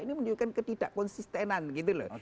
ini menunjukkan ketidak konsistenan gitu loh